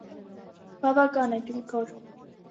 - Բավական է, Գրիգոր…